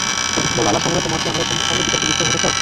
বল, আল্লাহ্ সম্বন্ধে তোমরা কি আমাদের সঙ্গে বিতর্কে লিপ্ত হতে চাও?